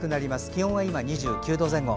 気温は今２９度前後。